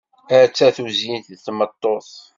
Atta tuzyint deg tmeṭṭut!